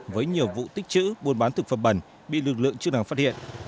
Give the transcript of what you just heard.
với nhiều vụ tích chữ buôn bán thực phẩm bẩn bị lực lượng chức năng phát hiện